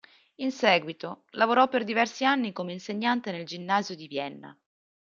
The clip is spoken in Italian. In seguito, lavorò per diversi anni come insegnante nel ginnasio di Vienna.